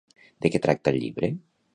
De què tracta el llibre?